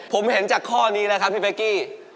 ผมเห็นจากข้อนี้แล้วครับพี่เป๊กกี้